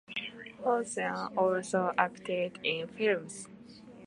Hossain also acted in films.